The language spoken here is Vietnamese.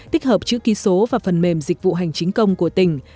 tích hợp chữ ký số và phần mềm dịch vụ hành chính công của tỉnh